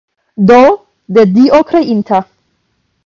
Do, de Dio kreinta!